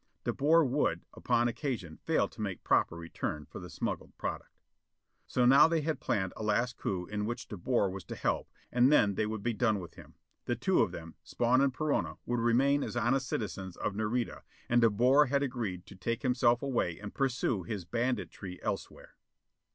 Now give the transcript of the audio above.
De Boer would, upon occasion, fail to make proper return for the smuggled product. So now they had planned a last coup in which De Boer was to help, and then they would be done with him: the two of them, Spawn and Perona, would remain as honest citizens of Nareda, and De Boer had agreed to take himself away and pursue his banditry elsewhere.